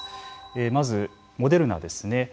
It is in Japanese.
まずモデルナですね。